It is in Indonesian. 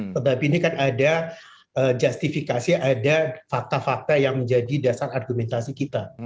tetapi ini kan ada justifikasi ada fakta fakta yang menjadi dasar argumentasi kita